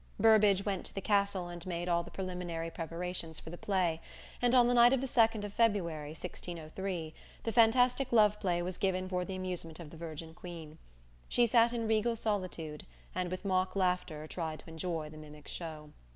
Burbage went to the castle and made all the preliminary preparations for the play, and on the night of the second of February, 1603, the fantastic love play was given for the amusement of the Virgin Queen. She sat in regal solitude, and with mock laughter tried to enjoy the mimic show.